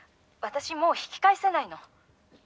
私もう引き返せないの」